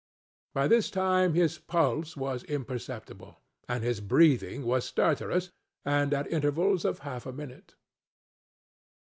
By this time his pulse was imperceptible and his breathing was stertorous, and at intervals of half a minute.